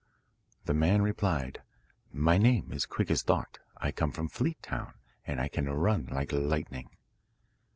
The man replied, 'My name is Quick as Thought, I come from Fleet town, and I can run like lightning.